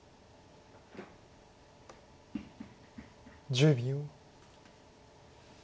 １０秒。